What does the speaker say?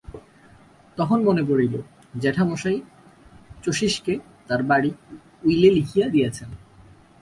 তখন মনে পড়িল জ্যাঠামশায় শচীশকে তাঁর বাড়ি উইলে লিখিয়া দিয়াছেন।